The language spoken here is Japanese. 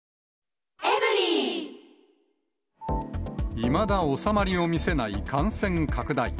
いまだ収まりを見せない感染拡大。